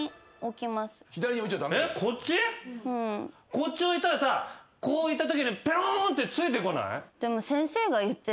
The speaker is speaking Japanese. こっち置いたらさこういったときにぺろーんってついてこない？